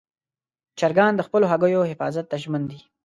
چرګان د خپلو هګیو حفاظت ته ژمن دي.